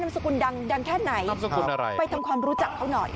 สกุลดังดังแค่ไหนนามสกุลอะไรไปทำความรู้จักเขาหน่อย